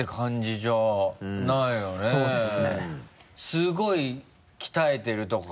すごい鍛えてるとか？